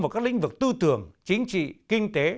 vào các lĩnh vực tư tưởng chính trị kinh tế